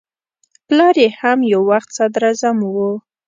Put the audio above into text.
پلار یې هم یو وخت صدراعظم و.